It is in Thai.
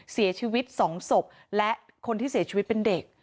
เสียชีวิต๒ศพและคนที่เสียชีวิตเป็นเด็ก